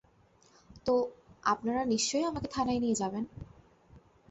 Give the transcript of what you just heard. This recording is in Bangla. তো আপনারা নিশ্চয়ই আমাকে থানায় নিয়ে যাবেন?